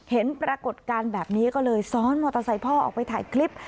เห็นปรากฏการณ์แบบนี้ก็เลยซ้อนมอเตอร์ไซค์พ่อออกไปถ่ายคลิป